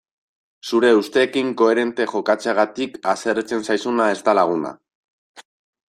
Zure usteekin koherente jokatzeagatik haserretzen zaizuna ez da laguna.